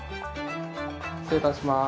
・失礼いたします